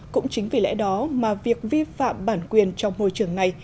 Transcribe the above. cũng chính vì lẽ đó mà việc vi phạm bản quyền trong môi trường này